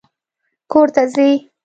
کور ته ځې؟